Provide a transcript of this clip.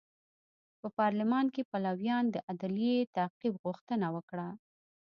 په پارلمان کې پلویانو د عدلي تعقیب غوښتنه وکړه.